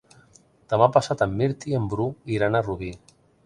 Demà passat en Mirt i en Bru iran a Rubí.